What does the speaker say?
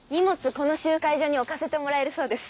この集会所に置かせてもらえるそうです。